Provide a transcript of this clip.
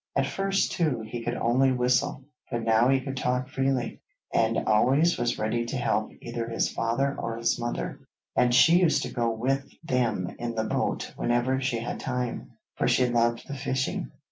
At first, too, he could only whistle, but now he could talk freely, and always was ready to help either his father or his mother, and she used to go with them in the boat whenever she had time, for she loved the fishing.